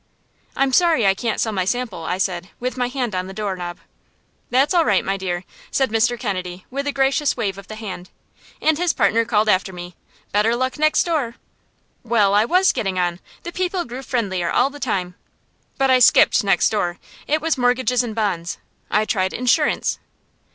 "I'm sorry I can't sell my sample," I said, with my hand on the doorknob. "That's all right, my dear," said Mr. Kennedy, with a gracious wave of the hand. And his partner called after me, "Better luck next door!" Well, I was getting on! The people grew friendlier all the time. But I skipped "next door"; it was "Mortgages and Bonds." I tried "Insurance."